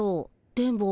電ボ。